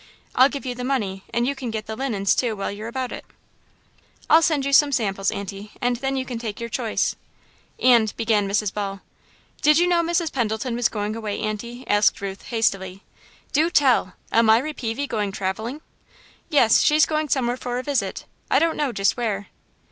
I'll give you the money, and you can get the linin's too, while you're about it." "I'll send you some samples, Aunty, and then you can take your choice." "And " began Mrs. Ball. "Did you know Mrs. Pendleton was going away, Aunty?" asked Ruth, hastily. "Do tell! Elmiry Peavey goin' travellin'?" "Yes, she's going somewhere for a visit I don't know just where."